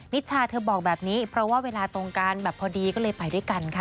นิชาเธอบอกแบบนี้เพราะว่าเวลาตรงกันแบบพอดีก็เลยไปด้วยกันค่ะ